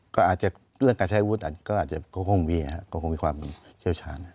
ก็อาจจะเรื่องการใช้อาวุธก็อาจจะคงมีความเชี่ยวชาญ